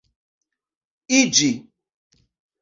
iĝi